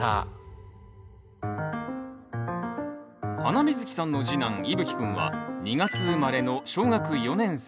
ハナミズキさんの次男いぶきくんは２月生まれの小学４年生。